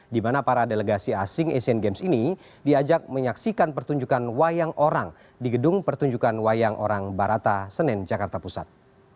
di mana para delegasi asing asian games ini diajak menyaksikan pertunjukan wayang orang di gedung pertunjukan wayang orang barata senen jakarta pusat